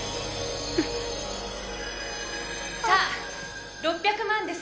さぁ６００万です。